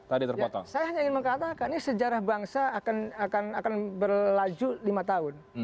saya hanya ingin mengatakan ini sejarah bangsa akan berlaju lima tahun